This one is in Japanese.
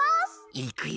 いくよ！